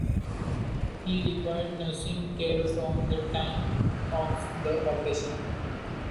He required nursing care from the time of the operation.